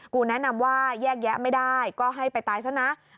กูแนะนำว่าแยกแยะไม่ได้ก็ให้ไปตายซะนะ